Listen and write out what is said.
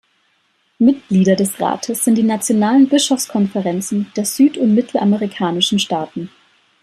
Mitglieder des Rates sind die nationalen Bischofskonferenzen der Süd- und Mittelamerikanischen Staaten.